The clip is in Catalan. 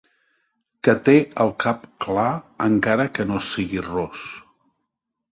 Que té el cap clar, encara que no sigui ros.